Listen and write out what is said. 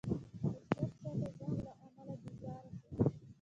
د شپږ ساعته ځنډ له امله بېزاره شوو.